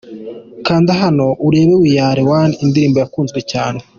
Kanda hano urebe "We Are One" Indirimbo yakunzwe cyane